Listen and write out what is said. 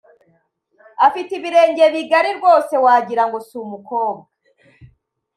afite ibirenge bigari rwose wagirango si umukobwa.